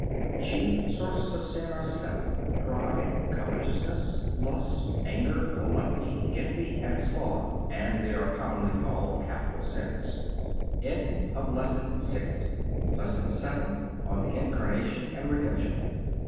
The chief sources of sin are seven: Pride, Covetousness, Lust, Anger, Gluttony, Envy, and Sloth; and they are commonly called capital sins. LESSON SEVENTH ON THE INCARNATION AND REDEMPTION 60.